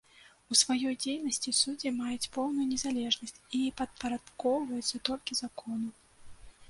У сваёй дзейнасці суддзі маюць поўную незалежнасць і падпарадкоўваюцца толькі закону.